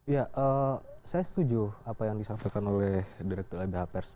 ya saya setuju apa yang disampaikan oleh direktur lbh pers